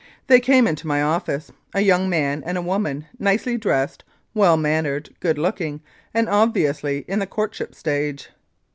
They came into my office, a young man and a woman, nicely dressed, well mannered, good looking, and obviously in the courtship stage.